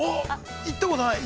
◆行ったことない。